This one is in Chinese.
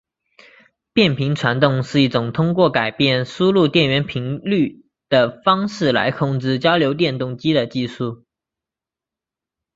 变频传动是一种通过改变输入电源频率的方式来控制交流电动机的技术。